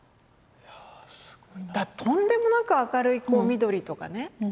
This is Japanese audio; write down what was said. とんでもなく明るい緑とかね。